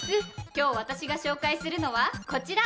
今日私が紹介するのはこちら！